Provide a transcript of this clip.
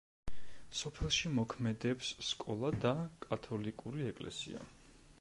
სოფელში მოქმედებს სკოლა და კათოლიკური ეკლესია.